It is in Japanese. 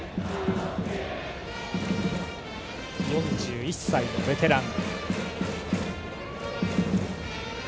４１歳のベテラン。